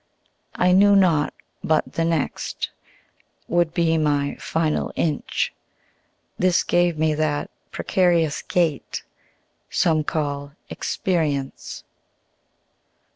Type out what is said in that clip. I knew not but the nextWould be my final inch,—This gave me that precarious gaitSome call experience.